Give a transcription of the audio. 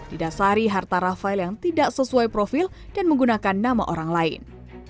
didasari harta rafael yang tidak sesuai profil dan menggunakan nama orang lain